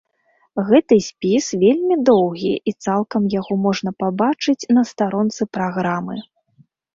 Гэты спіс вельмі доўгі, і цалкам яго можна пабачыць на старонцы праграмы.